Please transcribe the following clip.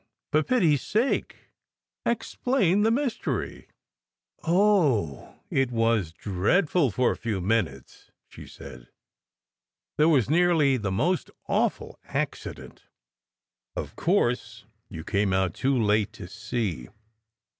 "For pity s sake, explain the mystery!" "Oh, it was dreadful for a few minutes," she said. "There was nearly the most awful accident. Of course you came out too late to see.